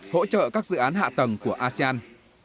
hỗ trợ các dự án hạ tầng của asean